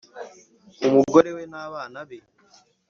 umugore we na bana be